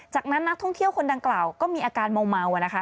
จากนั้นนักท่องเที่ยวคนดังกล่าวก็มีอาการเมานะคะ